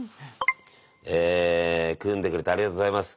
え組んでくれてありがとうございます。